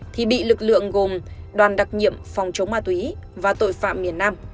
thì bị lực lượng gồm đoàn đặc nhiệm phòng chống ma túy và tội phạm miền nam